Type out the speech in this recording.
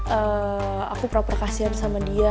eee aku pernah pernah kasihan sama dia